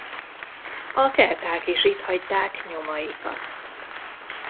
A kelták is itt hagyták nyomaikat.